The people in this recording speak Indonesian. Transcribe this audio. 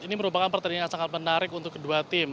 ini merupakan pertandingan yang sangat menarik untuk kedua tim